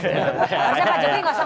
harusnya pak jokowi gak usah ngomong ya